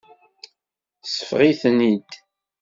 Seffeɣ-iten-id.